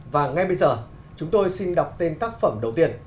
và ngay bây giờ chúng tôi xin đọc tên tác phẩm đầu tiên